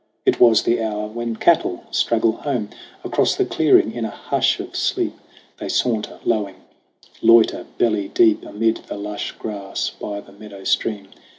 It was the hour when cattle straggle home. Across the clearing in a hush of sleep They saunter, lowing; loiter belly deep Amid the lush grass by the meadow stream.